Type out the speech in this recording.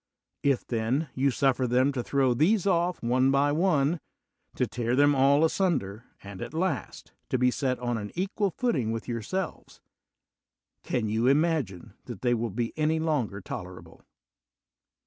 If, then, you suf fer them to liirow these oflf one by one, to tear them all asunder, and, at last, to be set on an equal footing with yourselves, can you imagine that they will be any longer tolerable?